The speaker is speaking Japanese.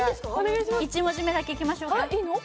１文字目だけいきましょうかいいの？